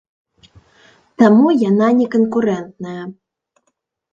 Таму яна не канкурэнтная.